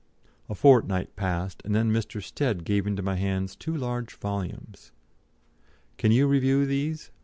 A fortnight passed, and then Mr. Stead gave into my hands two large volumes. "Can you review these?